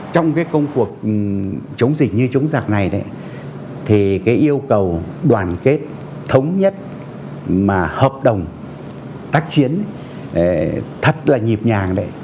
trong cái công cuộc chống dịch như chống giặc này đấy thì cái yêu cầu đoàn kết thống nhất mà hợp đồng tác chiến thật là nhịp nhàng đấy